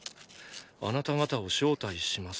あなた方を招待します。